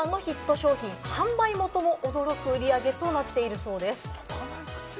発想の転換のヒット商品、販売元も驚く売り上げとなっているそうです。